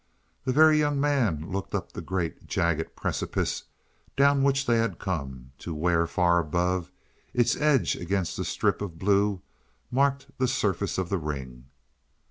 The Very Young Man looked up the great, jagged precipice down which they had come, to where, far above, its edge against the strip of blue marked the surface of the ring.